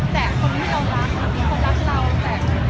แต่คนที่เรารักก็รักเราแป๊บ